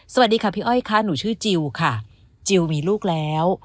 สวัสดีค่ะพี่อ้อยค่ะหนูชื่อจิลค่ะจิลมีลูกแล้ว